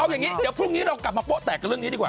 เอาอย่างนี้เดี๋ยวพรุ่งนี้เรากลับมาโป๊ะแตกกับเรื่องนี้ดีกว่า